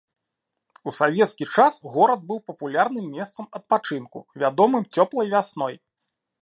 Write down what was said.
У савецкі час горад быў папулярным месцам адпачынку, вядомым цёплай вясной.